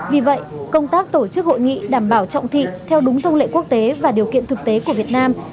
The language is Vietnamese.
vì vậy công tác tổ chức hội nghị đảm bảo trọng thị theo đúng thông lệ quốc tế và điều kiện thực tế của việt nam